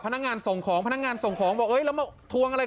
พนักงานส่งของพนักงานส่งของบอกเอ้ยแล้วมาทวงอะไร